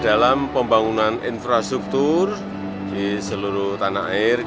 dalam pembangunan infrastruktur di seluruh tanah air